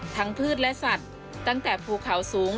พืชและสัตว์ตั้งแต่ภูเขาสูง